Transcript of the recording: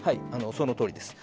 そのとおりです。